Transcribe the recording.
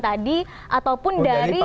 tadi ataupun dari